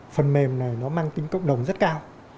phần mềm này nó mang tính cộng đồng rất cao